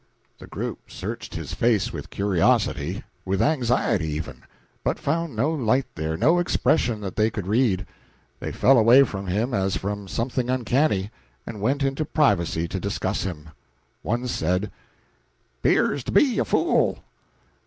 The group searched his face with curiosity, with anxiety even, but found no light there, no expression that they could read. They fell away from him as from something uncanny, and went into privacy to discuss him. One said: "'Pears to be a fool."